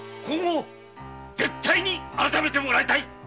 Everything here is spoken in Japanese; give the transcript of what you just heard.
今後絶対に改めてもらいたい